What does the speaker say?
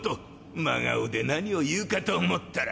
真顔で何を言うかと思ったら！